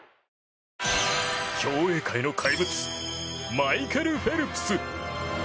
競泳界の怪物マイケル・フェルプス。